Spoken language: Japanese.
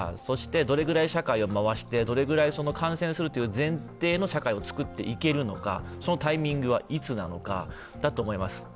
そしてどれぐらい社会を回してどれぐらい感染するという前提の社会を作っていけるのか、そのタイミングはいつなのかだと思います。